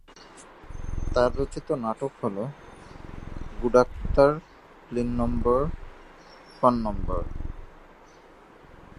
তার রচিত নাটক হল "গুডাক্তার ক্লিনম্বর ফানম্বর"।